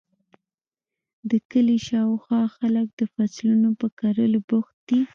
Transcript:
د کلي شااوخوا خلک د فصلونو په کرلو بوخت دي.